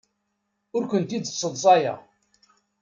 Ur kent-id-sseḍsayeɣ.